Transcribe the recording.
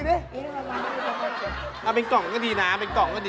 เอาเป็นกล่องก็ดีนะเป็นกล่องก็ดี